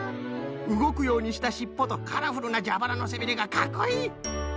うごくようにしたしっぽとカラフルなじゃばらのせびれがかっこいい！